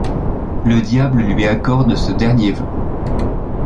Le diable lui accorde ce dernier vœu.